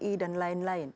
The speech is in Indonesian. b i dan lain lain